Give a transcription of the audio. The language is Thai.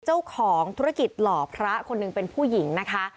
เจ้าของธุรกิจหล่อพระคนหนึ่งเป็นผู้หญิงนะคะ